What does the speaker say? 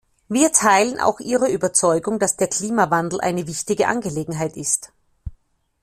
Wir teilen auch Ihre Überzeugung, dass der Klimawandel eine wichtige Angelegenheit ist.